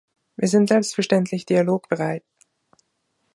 Wir sind selbstverständlich dialogbereit.